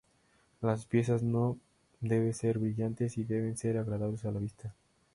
Las piezas no debe ser brillantes y deben ser agradables a la vista.